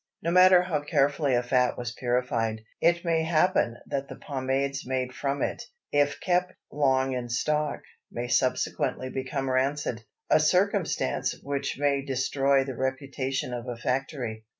No matter how carefully a fat was purified, it may happen that the pomades made from it, if kept long in stock, may subsequently become rancid—a circumstance which may destroy the reputation of a factory.